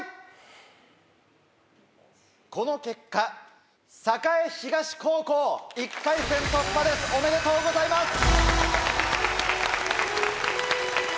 この結果栄東高校１回戦突破ですおめでとうございます。